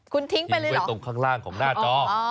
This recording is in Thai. คุณทิ้งไปเลยไว้ตรงข้างล่างของหน้าจอ